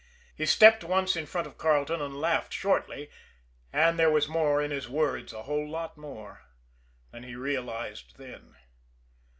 He stepped once in front of Carleton and laughed shortly and there was more in his words, a whole lot more, than he realized then.